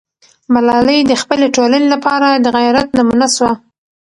ملالۍ د خپلې ټولنې لپاره د غیرت نمونه سوه.